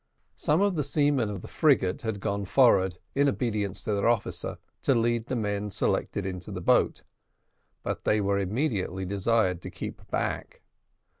Some of the seamen of the frigate had gone forward, in obedience to their officer, to lead the men selected into the boat; but they were immediately desired to keep back.